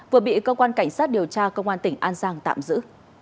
vừa bị cơ quan cảnh sát điều tra công an tỉnh an giang tạm giữ